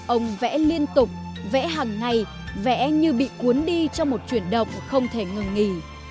ông vẽ liên tục vẽ hàng ngày vẽ như bị cuốn đi trong một chuyển động không thể ngừng nghỉ